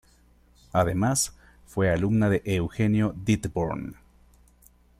Además, fue alumna de Eugenio Dittborn.